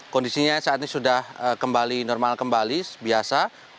kondisinya saat ini sudah kembali normal kembali biasa